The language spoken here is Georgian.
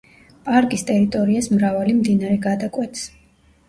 პარკის ტერიტორიას მრავალი მდინარე გადაკვეთს.